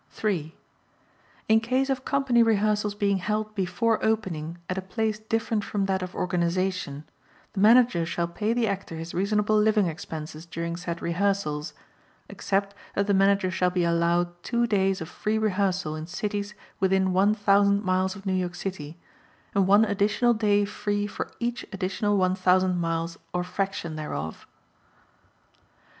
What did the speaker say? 3. In case of company rehearsals being held before opening at a place different from that of organization, the Manager shall pay the Actor his reasonable living expenses during said rehearsals, except that the Manager shall be allowed two days of free rehearsal in cities within one thousand miles of New York City and one additional day free for each additional one thousand miles or fraction thereof.